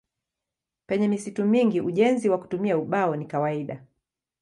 Penye misitu mingi ujenzi kwa kutumia ubao ni kawaida.